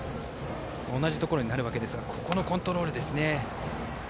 同じところになるわけですがここのコントロールですね。